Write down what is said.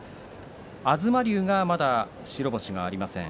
東龍がまだ白星がありません。